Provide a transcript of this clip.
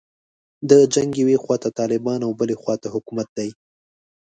د جنګ یوې خواته طالبان او بلې خواته حکومت دی.